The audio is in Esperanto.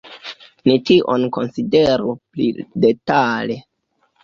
Ni tion konsideru pli detale.